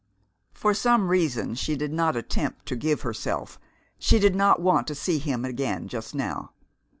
For some reason she did not attempt to give herself, she did not want to see him again just now.